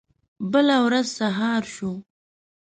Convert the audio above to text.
بله ورځ سهار شو.